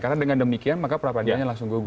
karena dengan demikian maka perapannya langsung gugup